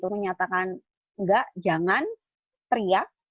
menyatakan tidak jangan teriak